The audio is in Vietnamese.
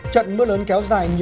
trận bước lớn kéo dài